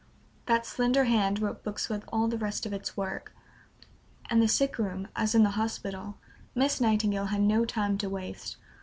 That slender hand wrote books with all the rest of its work. In the sick room as in the hospital, Miss Nightingale had no time to waste.